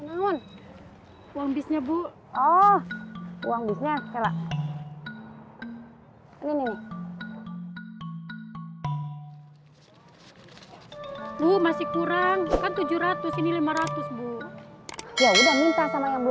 assalamualaikum warahmatullahi wabarakatuh